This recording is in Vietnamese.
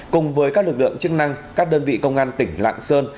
cùng với các lực lượng chức năng các đơn vị công an tỉnh lạng sơn